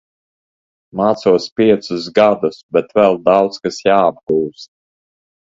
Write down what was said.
Mācos piecus gadus, bet vēl daudz kas jāapgūst.